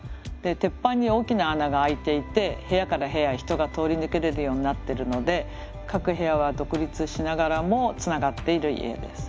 鉄板に大きな穴が開いていて部屋から部屋へ人が通り抜けれるようになってるので各部屋は独立しながらもつながっている家です。